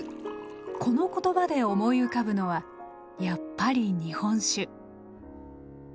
この言葉で思い浮かぶのはやっぱり「日本酒」。